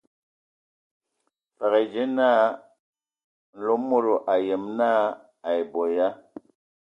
Fəg e dzeŋa Mlomodo, a ayem naa a abɔ ya.